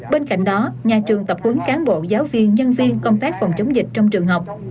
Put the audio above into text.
bên cạnh đó nhà trường tập quấn cán bộ giáo viên nhân viên công tác phòng chống dịch trong trường học